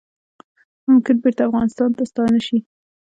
ممکن بیرته افغانستان ته ستانه شي